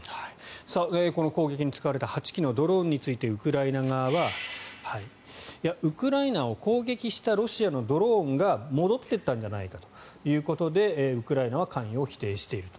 この攻撃に使われた８機のドローンについてウクライナ側はウクライナを攻撃したロシアのドローンが戻っていったんじゃないかということでウクライナは関与を否定していると。